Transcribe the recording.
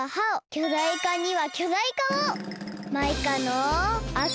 きょだいかにはきょだいかを！